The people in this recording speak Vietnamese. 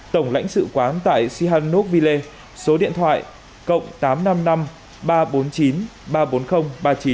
tổng lãnh sự quán tại sihanov ville số điện thoại cộng tám trăm năm mươi năm ba trăm bốn mươi chín ba trăm bốn mươi ba mươi chín